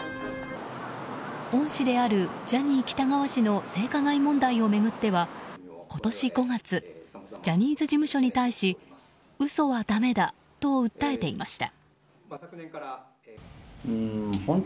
恩師であるジャニー喜多川氏の性加害問題を巡っては今年５月ジャニーズ事務所に対し嘘はだめだと訴えていました。